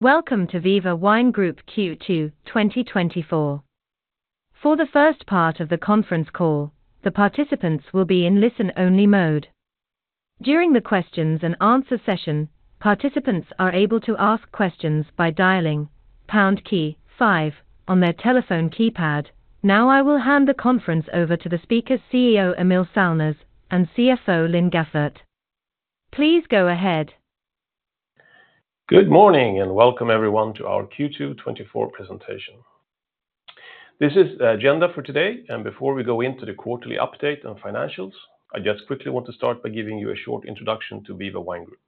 Welcome to Viva Wine Group Q2 2024. For the first part of the conference call, the participants will be in listen-only mode. During the question-and-answer session, participants are able to ask questions by dialing pound key five on their telephone keypad. Now, I will hand the conference over to the speakers, CEO Emil Sallnäs, and CFO, Linn Gäfvert. Please go ahead. Good morning, and welcome everyone to our Q2 2024 presentation. This is the agenda for today, and before we go into the quarterly update on financials, I just quickly want to start by giving you a short introduction to Viva Wine Group.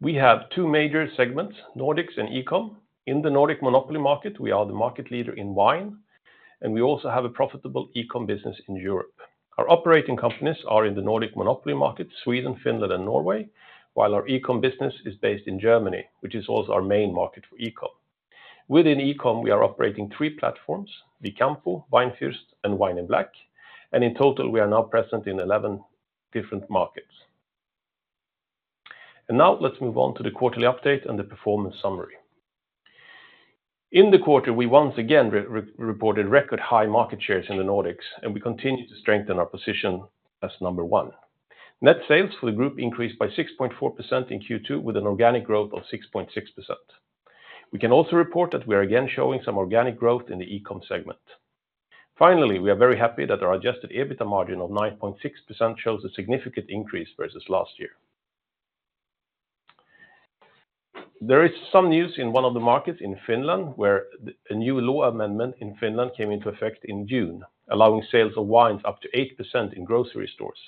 We have two major segments, Nordics and eCom. In the Nordic monopoly market, we are the market leader in wine, and we also have a profitable eCom business in Europe. Our operating companies are in the Nordic monopoly market, Sweden, Finland, and Norway, while our eCom business is based in Germany, which is also our main market for eCom. Within eCom, we are operating three platforms, Vicampo, Weinfürst, and Wine in Black, and in total, we are now present in 11 different markets. And now let's move on to the quarterly update and the performance summary. In the quarter, we once again reported record high market shares in the Nordics, and we continue to strengthen our position as number one. Net sales for the group increased by 6.4% in Q2, with an organic growth of 6.6%. We can also report that we are again showing some organic growth in the eCom segment. Finally, we are very happy that our adjusted EBITDA margin of 9.6% shows a significant increase versus last year. There is some news in one of the markets in Finland, where a new law amendment in Finland came into effect in June, allowing sales of wines up to 8% in grocery stores.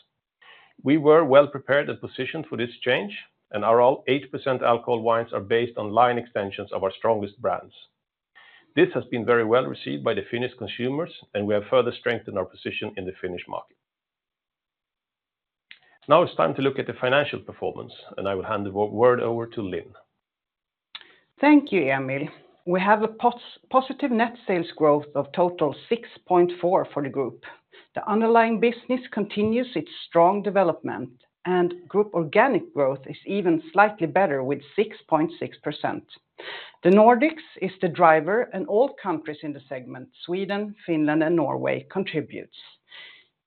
We were well prepared and positioned for this change, and our all 8% alcohol wines are based on line extensions of our strongest brands. This has been very well received by the Finnish consumers, and we have further strengthened our position in the Finnish market. Now it's time to look at the financial performance, and I will hand the word over to Linn. Thank you, Emil. We have a positive net sales growth of total 6.4% for the group. The underlying business continues its strong development, and group organic growth is even slightly better, with 6.6%. The Nordics is the driver in all countries in the segment, Sweden, Finland, and Norway contributes.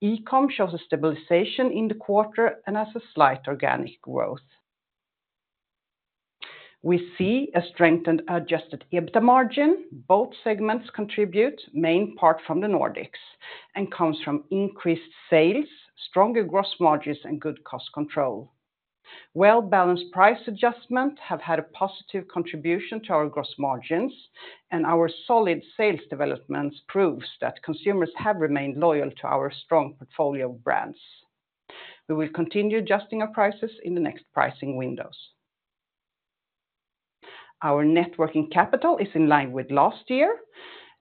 eCom shows a stabilization in the quarter and has a slight organic growth. We see a strengthened, adjusted EBITDA margin. Both segments contribute, main part from the Nordics, and comes from increased sales, stronger gross margins, and good cost control. Well-balanced price adjustment have had a positive contribution to our gross margins, and our solid sales developments proves that consumers have remained loyal to our strong portfolio of brands. We will continue adjusting our prices in the next pricing windows. Our net working capital is in line with last year.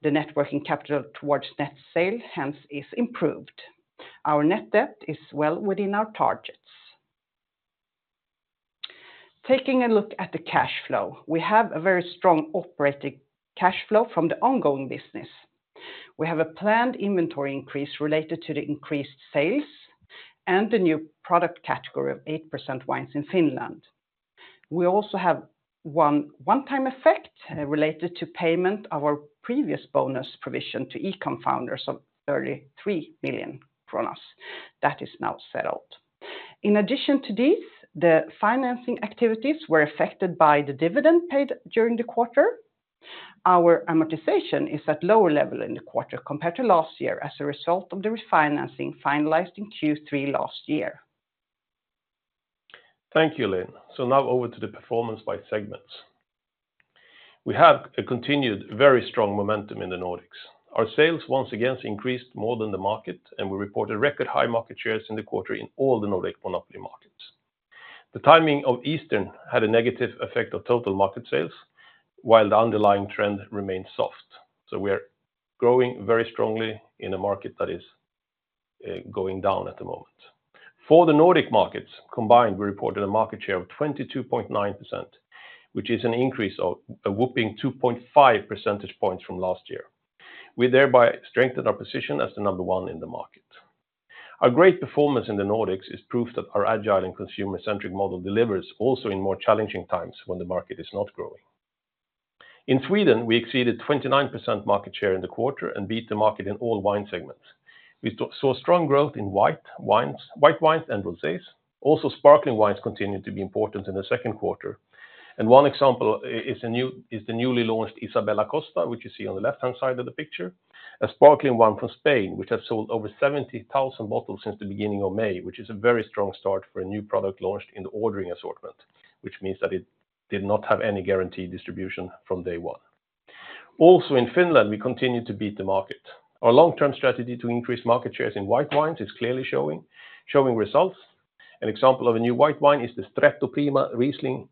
The net working capital towards net sales, hence, is improved. Our net debt is well within our targets. Taking a look at the cash flow, we have a very strong operating cash flow from the ongoing business. We have a planned inventory increase related to the increased sales and the new product category of 8% wines in Finland. We also have one-time effect related to payment of our previous bonus provision to eCom founders of 33 million kronor. That is now settled. In addition to this, the financing activities were affected by the dividend paid during the quarter. Our amortization is at lower level in the quarter compared to last year, as a result of the refinancing finalized in Q3 last year. Thank you, Linn. So now over to the performance by segments. We have a continued very strong momentum in the Nordics. Our sales once again increased more than the market, and we reported record high market shares in the quarter in all the Nordic monopoly markets. The timing of Easter had a negative effect on total market sales, while the underlying trend remains soft. So we are growing very strongly in a market that is going down at the moment. For the Nordic markets combined, we reported a market share of 22.9%, which is an increase of a whopping 2.5 percentage points from last year. We thereby strengthened our position as the number one in the market. Our great performance in the Nordics is proof that our agile and consumer-centric model delivers also in more challenging times when the market is not growing. In Sweden, we exceeded 29% market share in the quarter and beat the market in all wine segments. We saw strong growth in white wines and rosés. Also, sparkling wines continued to be important in the second quarter, and one example is the newly launched Isabella da Costa, which you see on the left-hand side of the picture. A sparkling wine from Spain, which has sold over 70,000 bottles since the beginning of May, which is a very strong start for a new product launched in the ordering assortment, which means that it did not have any guaranteed distribution from day one. Also, in Finland, we continued to beat the market. Our long-term strategy to increase market shares in white wines is clearly showing results. An example of a new white wine is the Stretto Prima Riesling,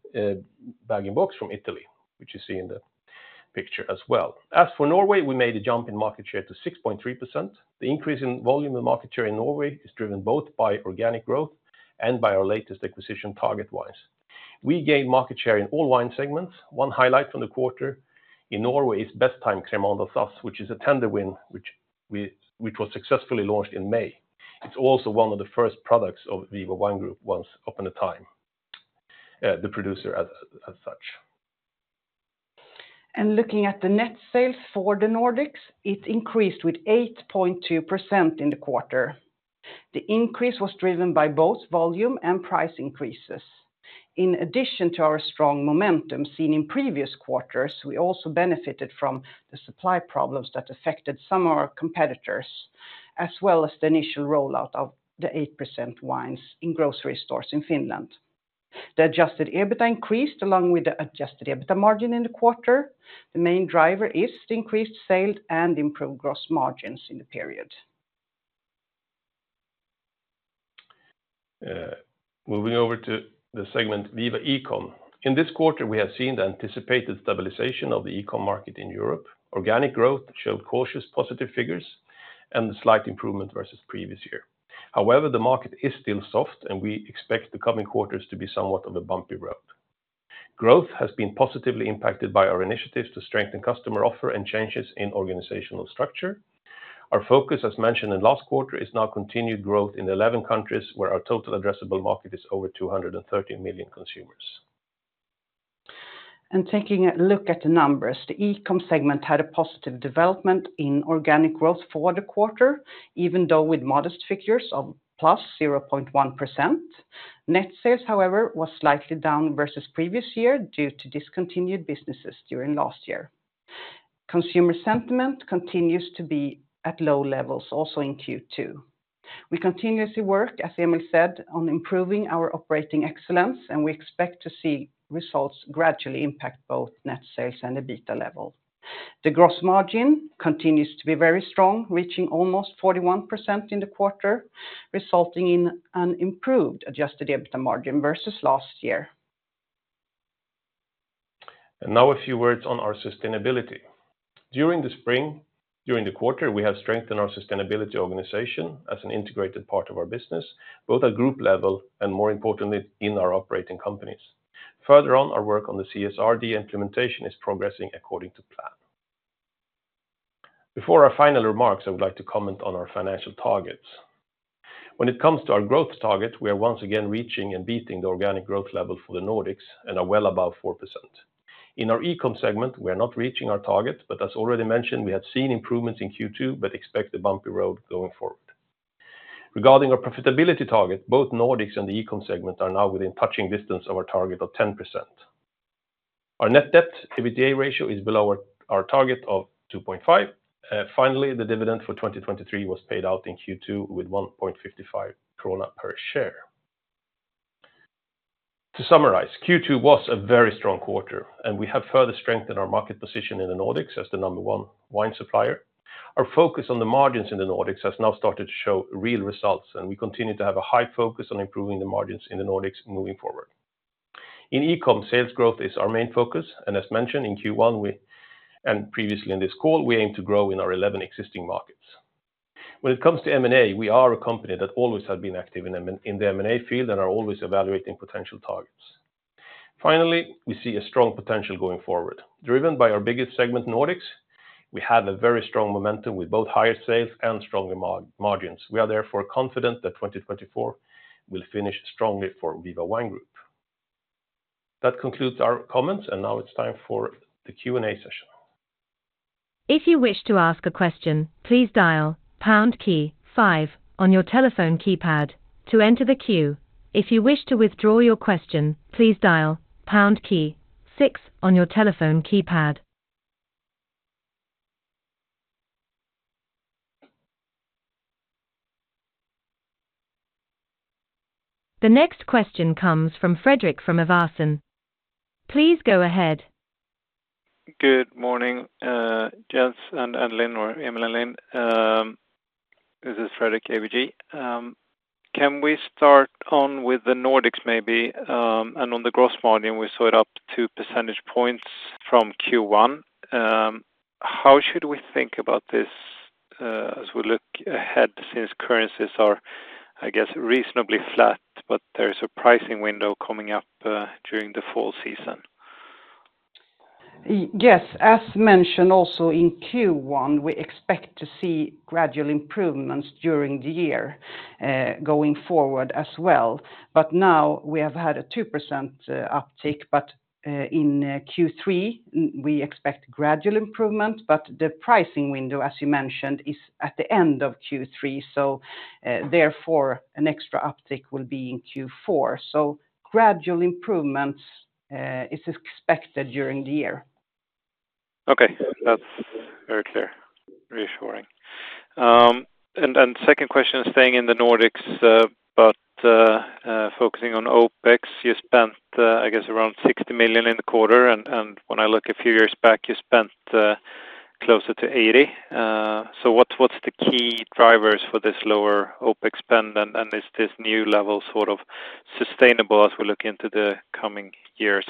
bag-in-box from Italy, which you see in the picture as well. As for Norway, we made a jump in market share to 6.3%. The increase in volume and market share in Norway is driven both by organic growth and by our latest acquisition, Target Wines. We gained market share in all wine segments. One highlight from the quarter in Norway is Bestheim Crémant d'Alsace, which is a tender win, which was successfully launched in May. It's also one of the first products of Viva Wine Group once upon a time, the producer as such. And looking at the net sales for the Nordics, it increased with 8.2% in the quarter. The increase was driven by both volume and price increases. In addition to our strong momentum seen in previous quarters, we also benefited from the supply problems that affected some of our competitors, as well as the initial rollout of the 8% wines in grocery stores in Finland. The adjusted EBITDA increased, along with the adjusted EBITDA margin in the quarter. The main driver is the increased sales and improved gross margins in the period. Moving over to the segment, Viva eCom. In this quarter, we have seen the anticipated stabilization of the eCom market in Europe. Organic growth showed cautious, positive figures and a slight improvement versus previous year. However, the market is still soft, and we expect the coming quarters to be somewhat of a bumpy road. Growth has been positively impacted by our initiatives to strengthen customer offer and changes in organizational structure. Our focus, as mentioned in last quarter, is now continued growth in eleven countries, where our total addressable market is over 230 million consumers. Taking a look at the numbers, the eCom segment had a positive development in organic growth for the quarter, even though with modest figures of +0.1%. Net sales, however, was slightly down versus previous year due to discontinued businesses during last year. Consumer sentiment continues to be at low levels, also in Q2. We continuously work, as Emil said, on improving our operating excellence, and we expect to see results gradually impact both net sales and EBITDA level. The gross margin continues to be very strong, reaching almost 41% in the quarter, resulting in an improved adjusted EBITDA margin versus last year. Now a few words on our sustainability. During the spring, during the quarter, we have strengthened our sustainability organization as an integrated part of our business, both at group level and, more importantly, in our operating companies. Further on, our work on the CSRD implementation is progressing according to plan. Before our final remarks, I would like to comment on our financial targets. When it comes to our growth target, we are once again reaching and beating the organic growth level for the Nordics and are well above 4%. In our eCom segment, we are not reaching our target, but as already mentioned, we have seen improvements in Q2, but expect a bumpy road going forward. Regarding our profitability target, both Nordics and the eCom segment are now within touching distance of our target of 10%. Our net debt EBITDA ratio is below our target of 2.5. Finally, the dividend for 2023 was paid out in Q2 with 1.55 krona per share. To summarize, Q2 was a very strong quarter, and we have further strengthened our market position in the Nordics as the number one wine supplier. Our focus on the margins in the Nordics has now started to show real results, and we continue to have a high focus on improving the margins in the Nordics moving forward. In eCom, sales growth is our main focus, and as mentioned in Q1 and previously in this call, we aim to grow in our 11 existing markets. When it comes to M&A, we are a company that always have been active in the M&A field and are always evaluating potential targets. Finally, we see a strong potential going forward, driven by our biggest segment, Nordics. We have a very strong momentum with both higher sales and stronger margins. We are therefore confident that 2024 will finish strongly for Viva Wine Group. That concludes our comments, and now it's time for the Q&A session. If you wish to ask a question, please dial pound key five on your telephone keypad to enter the queue. If you wish to withdraw your question, please dial pound key six on your telephone keypad. The next question comes from Fredrik Ivarsson. Please go ahead. Good morning, Jens and Linn or Emil and Linn. This is Fredrik, ABG. Can we start on with the Nordics, maybe? And on the gross margin, we saw it up two percentage points from Q1. How should we think about this, as we look ahead, since currencies are, I guess, reasonably flat, but there is a pricing window coming up, during the fall season? Yes, as mentioned also in Q1, we expect to see gradual improvements during the year, going forward as well. But now we have had a 2% uptick, but in Q3, we expect gradual improvement, but the pricing window, as you mentioned, is at the end of Q3, so therefore, an extra uptick will be in Q4, so gradual improvements is expected during the year. Okay, that's very clear. Reassuring, and second question, staying in the Nordics, but focusing on OpEx, you spent, I guess, around 60 million in the quarter, and when I look a few years back, you spent closer to 80 million. So what's the key drivers for this lower OpEx spend, and is this new level sort of sustainable as we look into the coming years?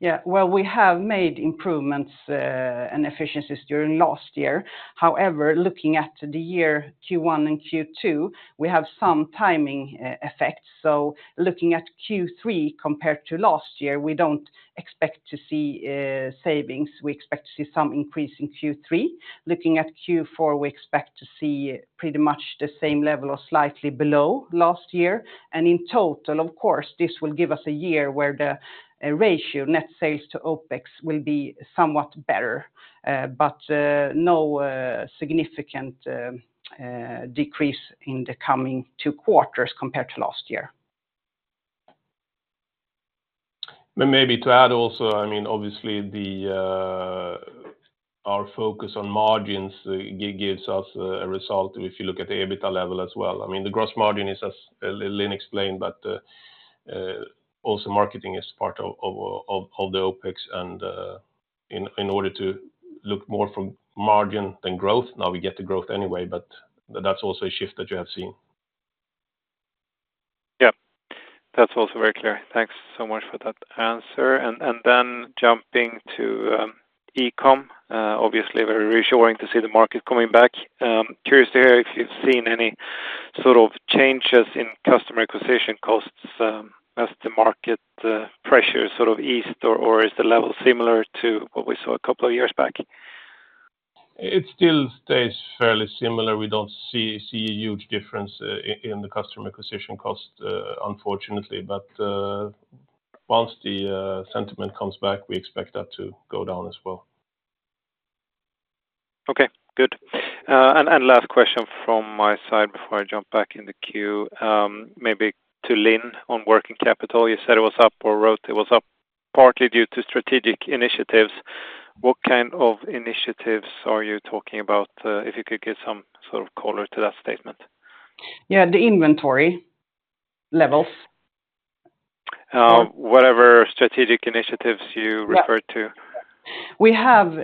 Yeah, well, we have made improvements and efficiencies during last year. However, looking at the year Q1 and Q2, we have some timing effects. So looking at Q3 compared to last year, we don't expect to see savings. We expect to see some increase in Q3. Looking at Q4, we expect to see pretty much the same level or slightly below last year. And in total, of course, this will give us a year where the ratio, net sales to OpEx, will be somewhat better, but no significant decrease in the coming two quarters compared to last year. But maybe to add also, I mean, obviously, our focus on margins gives us a result if you look at the EBITDA level as well. I mean, the gross margin is, as Linn explained, but also marketing is part of the OpEx and, in order to look more from margin than growth, now we get the growth anyway, but that's also a shift that you have seen. Yeah, that's also very clear. Thanks so much for that answer. And then jumping to eCom, obviously, very reassuring to see the market coming back. Curious to hear if you've seen any sort of changes in customer acquisition costs, as the market pressure sort of eased, or is the level similar to what we saw a couple of years back? It still stays fairly similar. We don't see a huge difference in the customer acquisition cost, unfortunately, but once the sentiment comes back, we expect that to go down as well. Okay, good. And last question from my side before I jump back in the queue, maybe to Linn on working capital. You said it was up, or wrote it was up, partly due to strategic initiatives. What kind of initiatives are you talking about? If you could give some sort of color to that statement. Yeah, the inventory levels. Whatever strategic initiatives you referred to. Yeah. We have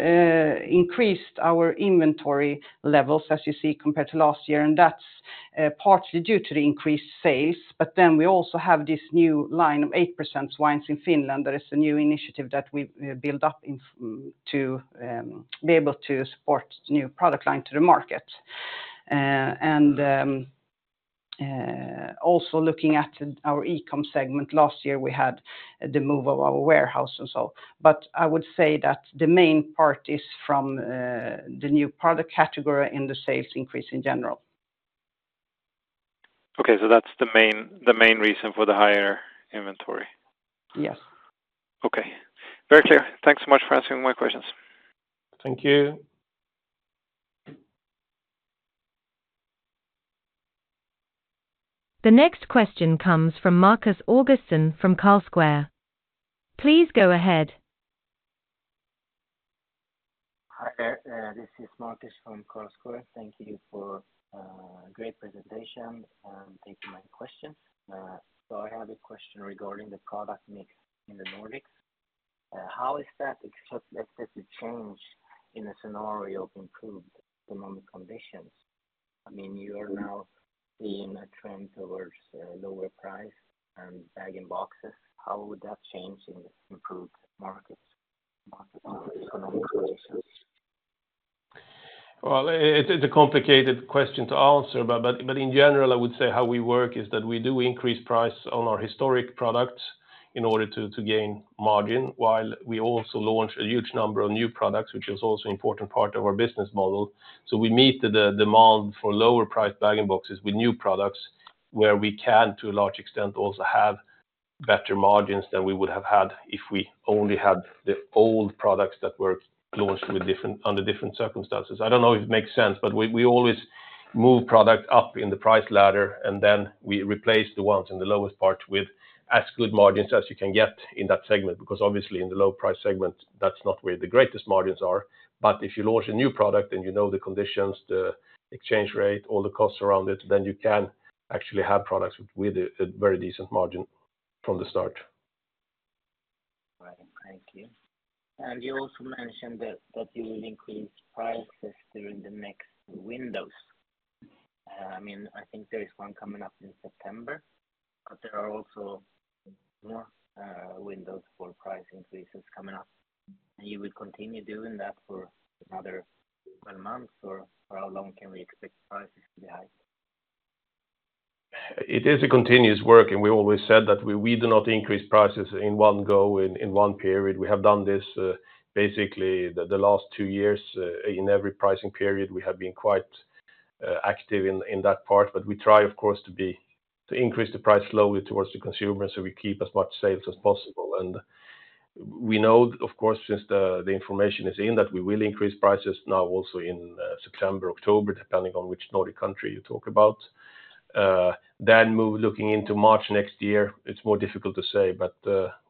increased our inventory levels, as you see, compared to last year, and that's partly due to the increased sales. But then we also have this new line of 8% wines in Finland. That is a new initiative that we've built up to be able to support new product line to the market. Also looking at our eCom segment, last year, we had the move of our warehouse and so on. But I would say that the main part is from the new product category and the sales increase in general. Okay, so that's the main, the main reason for the higher inventory? Yes. Okay. Very clear. Thanks so much for answering my questions. Thank you. The next question comes from Marcus Augustsson, from Carlsquare. Please go ahead. Hi there, this is Marcus from Carlsquare. Thank you for great presentation, and thank you for my question. So I have a question regarding the product mix in the Nordics. How is that expected to change in a scenario of improved economic conditions? I mean, you are now seeing a trend towards lower price and bag in boxes. How would that change in improved markets, economic conditions? It's a complicated question to answer, but in general, I would say how we work is that we do increase price on our historic products in order to gain margin, while we also launch a huge number of new products, which is also an important part of our business model. So we meet the demand for lower-priced bag-in-boxes with new products, where we can, to a large extent, also have better margins than we would have had if we only had the old products that were launched under different circumstances. I don't know if it makes sense, but we always move product up in the price ladder, and then we replace the ones in the lowest part with as good margins as you can get in that segment, because obviously, in the low price segment, that's not where the greatest margins are. But if you launch a new product and you know the conditions, the exchange rate, all the costs around it, then you can actually have products with a very decent margin from the start. Right. Thank you. And you also mentioned that, that you will increase prices during the next windows. I mean, I think there is one coming up in September, but there are also windows for price increases coming up. And you will continue doing that for another twelve months, or for how long can we expect prices to be high? It is a continuous work, and we always said that we do not increase prices in one go, in one period. We have done this basically the last two years. In every pricing period, we have been quite active in that part, but we try, of course, to increase the price slowly towards the consumer, so we keep as much sales as possible, and we know, of course, since the information is in, that we will increase prices now also in September, October, depending on which Nordic country you talk about. Then moving looking into March next year, it's more difficult to say, but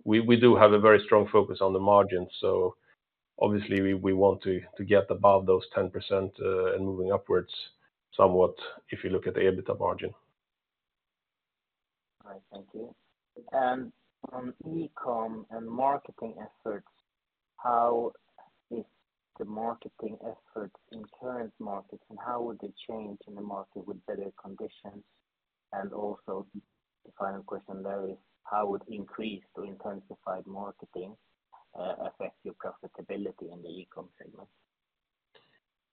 we do have a very strong focus on the margin, so obviously, we want to get above those 10% and moving upwards somewhat, if you look at the EBITDA margin. All right. Thank you. And on eCom and marketing efforts How is the marketing efforts in current markets, and how would they change in the market with better conditions? And also, the final question there is, how would increased or intensified marketing, affect your profitability in the eCom segment?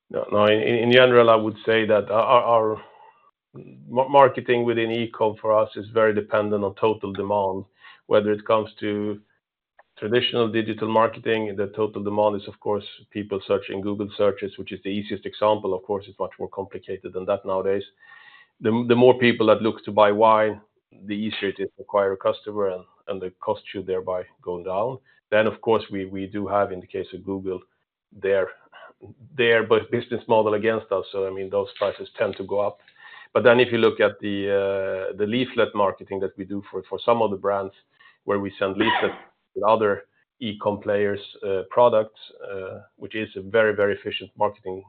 No, no, in general, I would say that our marketing within eCom for us is very dependent on total demand, whether it comes to traditional digital marketing. The total demand is, of course, people searching Google searches, which is the easiest example. Of course, it's much more complicated than that nowadays. The more people that look to buy wine, the easier it is to acquire a customer, and the cost should thereby go down. Then, of course, we do have, in the case of Google, their both business model against us, so, I mean, those prices tend to go up. But then if you look at the leaflet marketing that we do for some of the brands, where we send leaflets with other eCom players' products, which is a very, very efficient marketing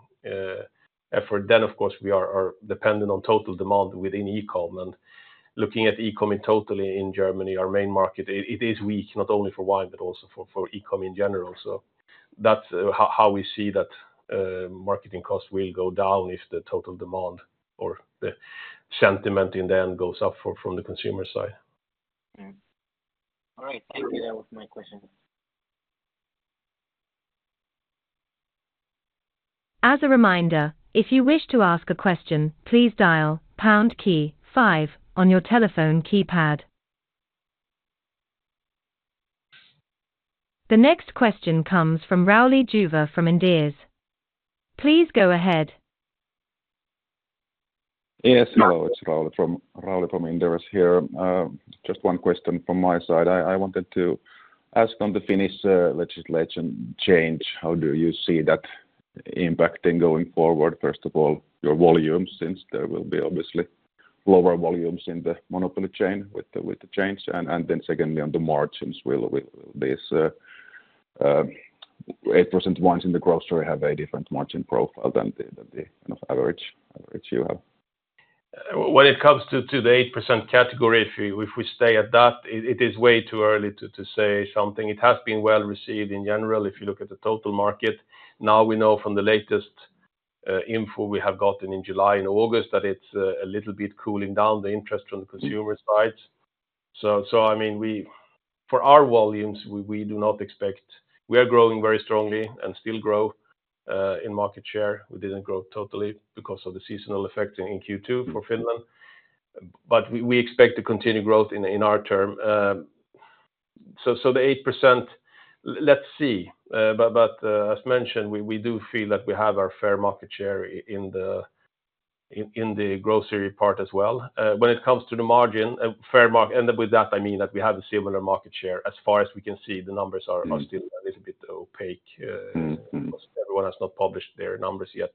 effort, then of course we are dependent on total demand within eCom. And looking at eCom in total in Germany, our main market, it is weak, not only for wine, but also for eCom in general. So that's how we see that marketing costs will go down if the total demand or the sentiment in the end goes up from the consumer side. All right. Thank you. That was my question. As a reminder, if you wish to ask a question, please dial pound key five on your telephone keypad. The next question comes from Rauli Juva from Inderes. Please go ahead. Yes, hello, it's Rauli from Inderes here. Just one question from my side. I wanted to ask on the Finnish legislation change, how do you see that impacting going forward? First of all, your volumes, since there will be obviously lower volumes in the monopoly chain with the change. And then secondly, on the margins, will with this 8% wines in the grocery have a different margin profile than the kind of average you have? When it comes to the 8% category, if we stay at that, it is way too early to say something. It has been well received in general, if you look at the total market. Now, we know from the latest info we have gotten in July and August, that it's a little bit cooling down, the interest from the consumer side. So, I mean, for our volumes, we do not expect. We are growing very strongly and still grow in market share. We didn't grow totally because of the seasonal effect in Q2 for Finland, but we expect to continue growth in our term. So, the 8%, let's see. But as mentioned, we do feel that we have our fair market share in the grocery part as well. When it comes to the margin, and with that, I mean, that we have a similar market share. As far as we can see, the numbers are still a little bit opaque because everyone has not published their numbers yet,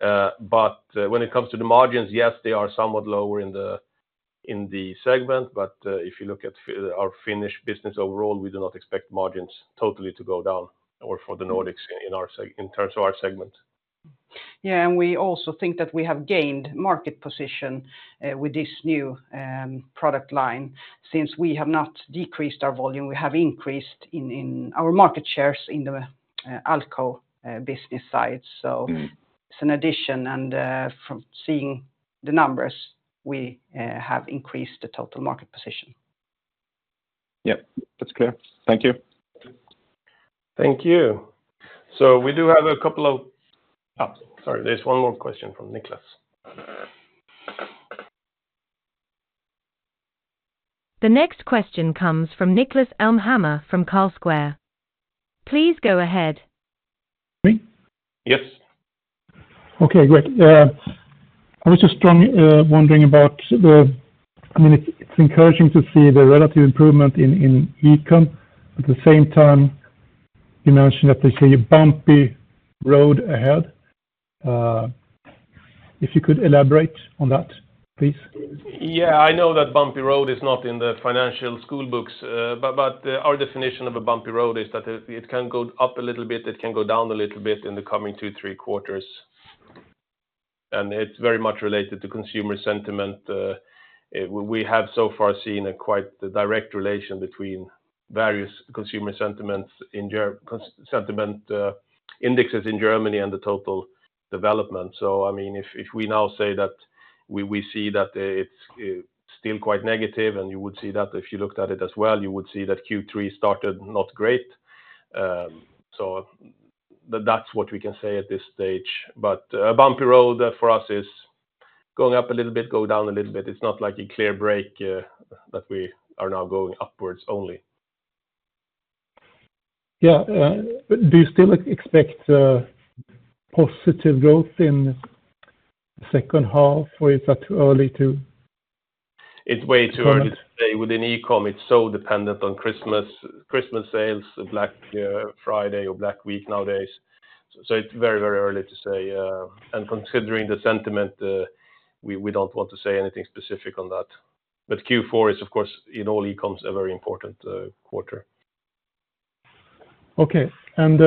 but when it comes to the margins, yes, they are somewhat lower in the segment, but if you look at our Finnish business overall, we do not expect margins totally to go down or for the Nordics in terms of our segment. Yeah, and we also think that we have gained market position with this new product line. Since we have not decreased our volume, we have increased in our market shares in the Alko business side. It's an addition, and from seeing the numbers, we have increased the total market position. Yep, that's clear. Thank you. Thank you. So we do have a couple of... sorry, there's one more question from Niklas. The next question comes from Niklas Elmhammer from Carlsquare. Please go ahead. Me? Yes. Okay, great. I was just wondering. I mean, it's encouraging to see the relative improvement in eCom. At the same time, you mentioned that they see a bumpy road ahead. If you could elaborate on that, please. Yeah, I know that bumpy road is not in the financial school books, but our definition of a bumpy road is that it can go up a little bit. It can go down a little bit in the coming two, three quarters. It's very much related to consumer sentiment. We have so far seen a quite direct relation between various consumer sentiment indexes in Germany and the total development. So, I mean, if we now say that we see that it's still quite negative, and you would see that if you looked at it as well. You would see that Q3 started not great. So that's what we can say at this stage. But a bumpy road for us is going up a little bit, go down a little bit. It's not like a clear break, that we are now going upwards only. Yeah, do you still expect positive growth in second half, or is that too early to? It's way too early to say. Within eCom, it's so dependent on Christmas, Christmas sales, Black Friday or Black Week nowadays. So it's very, very early to say, and considering the sentiment, we don't want to say anything specific on that. But Q4 is, of course, in all eCom's, a very important quarter. Okay. And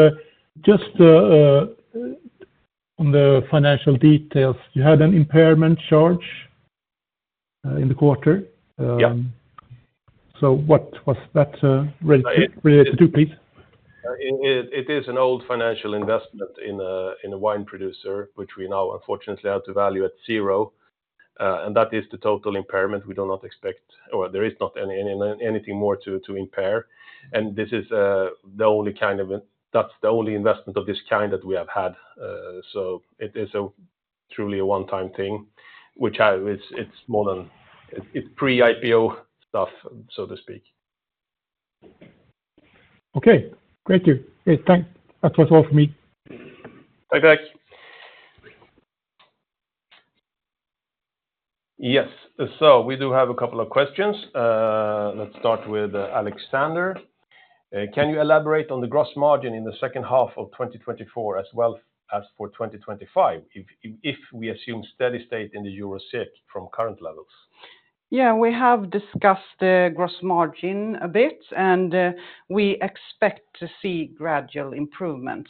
just on the financial details, you had an impairment charge? in the quarter. Yeah. So what was that related to, please? It is an old financial investment in a wine producer, which we now unfortunately have to value at zero. And that is the total impairment. We do not expect, or there is not anything more to impair. And this is the only kind of it. That's the only investment of this kind that we have had. So it is truly a one-time thing, which it's more than it's pre-IPO stuff, so to speak. Okay. Great, thank you. Great, thanks. That was all for me. Thanks, guys. Yes, so we do have a couple of questions. Let's start with Alexander: can you elaborate on the gross margin in the second half of 2024 as well as for 2025, if we assume steady state in the EUR/SEK from current levels? Yeah, we have discussed the gross margin a bit, and we expect to see gradual improvements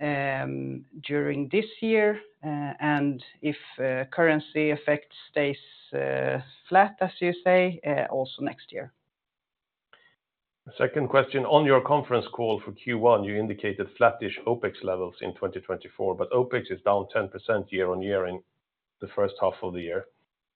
during this year, and if currency effect stays flat, as you say, also next year. Second question: On your conference call for Q1, you indicated flattish OpEx levels in 2024, but OpEx is down 10% year-on-year in the first half of the year.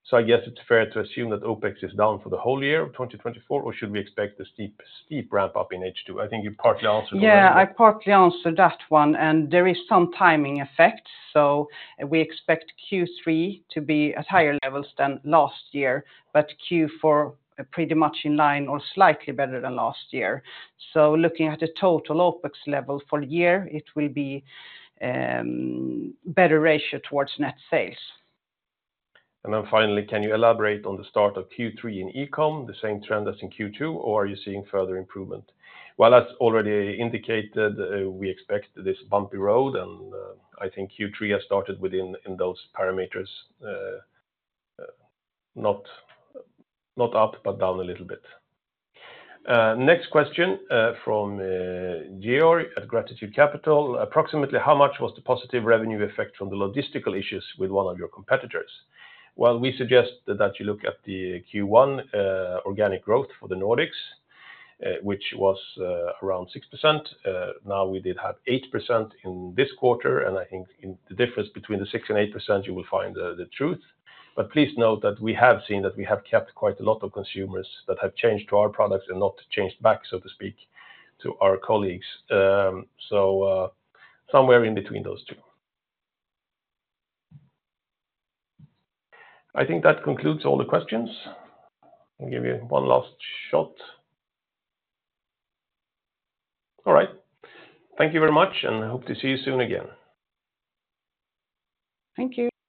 So I guess it's fair to assume that OpEx is down for the whole year of 2024, or should we expect a steep, steep ramp-up in H2? I think you partly answered that one. Yeah, I partly answered that one, and there is some timing effect, so we expect Q3 to be at higher levels than last year, but Q4 are pretty much in line or slightly better than last year. So looking at the total OpEx level for the year, it will be, better ratio towards net sales. And then finally, can you elaborate on the start of Q3 in eCom, the same trend as in Q2, or are you seeing further improvement? Well, that's already indicated. We expect this bumpy road, and I think Q3 has started within those parameters, not up, but down a little bit. Next question from George at Gratitude Capital: approximately how much was the positive revenue effect from the logistical issues with one of your competitors? Well, we suggest that you look at the Q1 organic growth for the Nordics, which was around 6%. Now we did have 8% in this quarter, and I think in the difference between the 6% and 8%, you will find the truth. But please note that we have seen that we have kept quite a lot of consumers that have changed to our products and not changed back, so to speak, to our colleagues. Somewhere in between those two. I think that concludes all the questions. I'll give you one last shot. All right. Thank you very much, and I hope to see you soon again. Thank you.